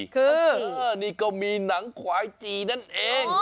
คือฮึนี่ก็มีหนังขวายกินั่นเองอ๋อน้๋อ